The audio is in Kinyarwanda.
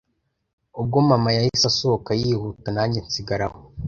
ubwo mama yahise asohoka yihuta nanjye nsigara aho